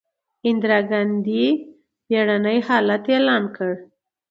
اندرا ګاندي بیړنی حالت اعلان کړ.